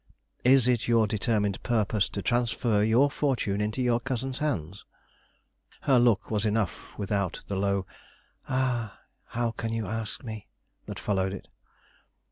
Is it your determined purpose to transfer your fortune into your cousin's hands?" Her look was enough without the low, "Ah, how can you ask me?" that followed it.